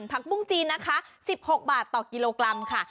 ปุ้งจีนนะคะ๑๖บาทต่อกิโลกรัมค่ะ